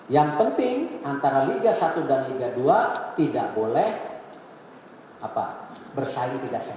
yang penting antara liga satu dan liga dua tidak boleh bersaing tidak sehat